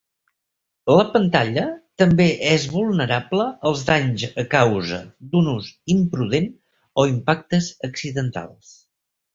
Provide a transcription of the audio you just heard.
La pantalla també és vulnerable als danys a causa d'un ús imprudent o impactes accidentals.